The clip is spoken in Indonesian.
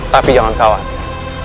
tapi jangan khawatir